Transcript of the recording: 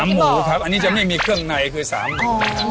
๓หมูครับอันนี้จะไม่มีเครื่องในคือ๓หมู